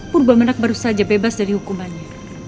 murbangenang baru saja bebas dari hukumannya